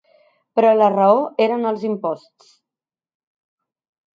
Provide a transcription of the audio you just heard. Però la raó eren els imposts.